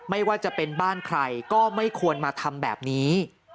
ไม่ว่าจะเป็นบ้านใครก็ไม่ควรมาทำแบบนี้